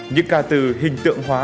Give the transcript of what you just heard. những ca từ hình tượng hóa